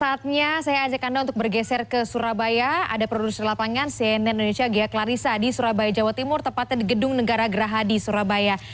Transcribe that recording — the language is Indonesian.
saatnya saya ajak anda untuk bergeser ke surabaya ada produser lapangan cnn indonesia ghea klarissa di surabaya jawa timur tepatnya di gedung negara gerahadi surabaya